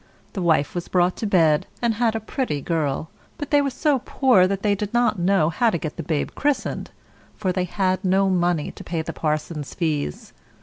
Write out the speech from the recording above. The wife was brought to bed, and had a pretty girl, but they were so poor they did not know how to get the babe christened, for they had no money to pay the parson's fees.